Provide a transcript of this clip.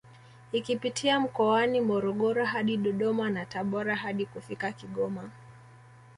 Ikipitia mkoani Morogoro hadi Dodoma na Tabora hadi kufika Kigoma